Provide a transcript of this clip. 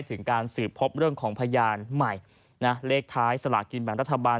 ถึงการสืบพบเรื่องของพยานใหม่นะเลขท้ายสลากินแบ่งรัฐบาล